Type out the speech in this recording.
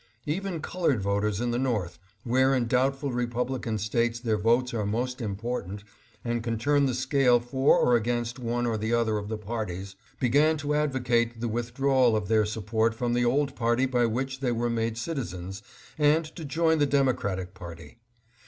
Even colored voters in the North, where in doubtful Repub lican States their votes are most important and can turn the scale for or against one or the other of the parties, began to advocate the withdrawal of their support from the old party by which they were made citizens and to join the Democratic party.